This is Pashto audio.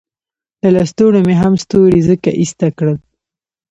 له لستوڼو مې هم ستوري ځکه ایسته کړل.